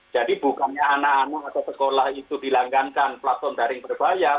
jadi bukannya anak anak atau sekolah itu dilanggankan platform daring berbayar